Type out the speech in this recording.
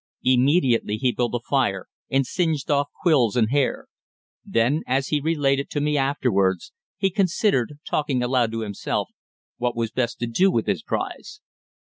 Immediately he built a fire, and singed off quills and hair. Then, as he related to me afterwards, he considered, talking aloud to himself, what was best to do with his prize.